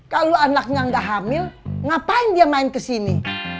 kalau anaknya nggak hamil ngapain dia main kesini